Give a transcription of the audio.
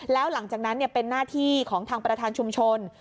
แล้วหลังจากนั้นเป็นหน้าที่ของทางประธานชุมชน